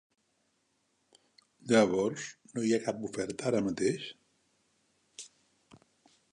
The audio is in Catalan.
Llavors no hi ha cap oferta ara mateix?